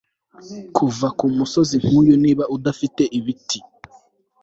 Kuva kumusozi nkuyu niba udafite ibiti